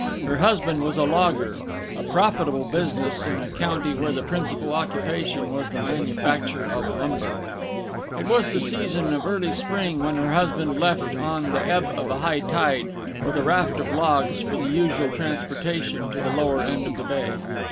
Her husband was a logger a profitable business in a county where the principal occupation was the manufacture of lumber. It was the season of early spring when her husband left on the ebb of a high tide, with a raft of logs for the usual transportation to the lower end of the bay.